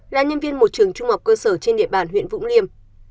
là nhân viên một trường trung học cơ sở trên địa bàn huyện vũng liêm